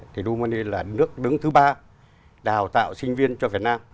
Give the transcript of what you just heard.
thì romani là nước đứng thứ ba đào tạo sinh viên cho việt nam